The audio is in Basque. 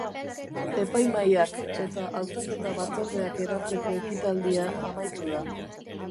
Epaimahaiak eta Hautaketa Batzordeak eratzeko ekitaldia amaitu da.